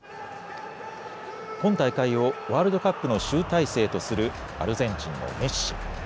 今大会をワールドカップの集大成とするアルゼンチンのメッシ。